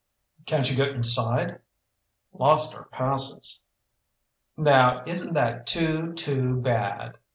"Can't you get inside?" "Lost our passes." "Now isn't that too, too bad!"